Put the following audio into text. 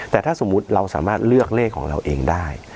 แต่ถ้าสมมุติเราสามารถเลือกเลขของเราเองได้